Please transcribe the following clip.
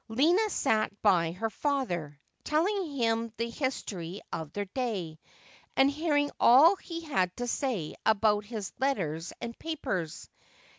Lina sat by her father, telling him the his tory of their day, and hearing all he had to say about his letters and papers.